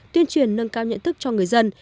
tuyên truyền nâng cao nhận thức cho người dân